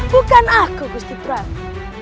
bukan aku gusti prabu